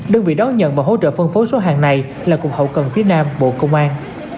đơn vị đón nhận và hỗ trợ phân phối số hàng này là cục hậu cần phía nam bộ công an